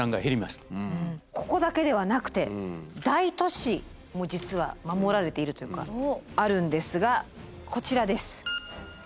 ここだけではなくて大都市も実は守られているというかあるんですがこちらです。